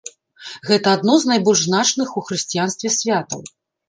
Гэта адно з найбольш значных у хрысціянстве святаў.